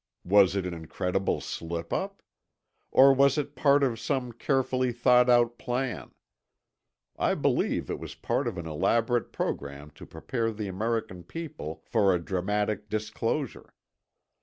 Was it an incredible slip up? Or was it part of some carefully thought out plan? I believe it was part of an elaborate program to prepare the American people for a dramatic disclosure.